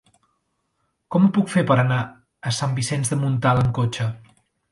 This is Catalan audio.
Com ho puc fer per anar a Sant Vicenç de Montalt amb cotxe?